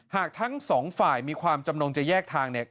หากทั้งสองฝ่ายมีความจำนงจะแยกทางเนี่ย